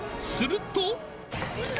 すると。